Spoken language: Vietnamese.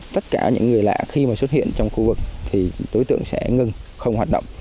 tất cả những người lạ khi mà xuất hiện trong khu vực thì đối tượng sẽ ngừng không hoạt động